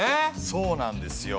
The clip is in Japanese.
そうなんですよ。